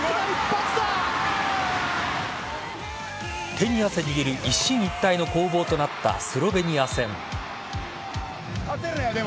手に汗握る一進一退の攻防となったスロベニア戦。